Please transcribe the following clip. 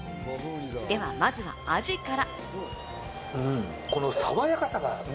では、まずは味から。